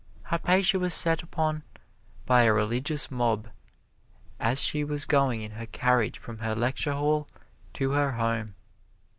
Hypatia was set upon by a religious mob as she was going in her carriage from her lecture hall to her home.